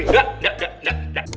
enggak enggak enggak